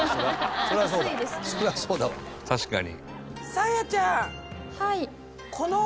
確かに。